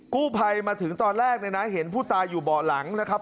กู้ภัยมาถึงตอนแรกเนี่ยนะเห็นผู้ตายอยู่เบาะหลังนะครับ